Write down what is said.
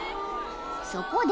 ［そこで］